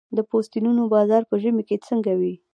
د پوستینونو بازار په ژمي کې څنګه وي؟